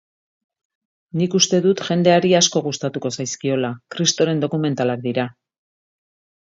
Nik uste dut jendeari asko gustatuko zaizkiola, kristoren dokumentalak dira.